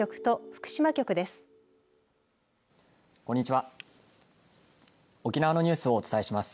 沖縄局と福島局です。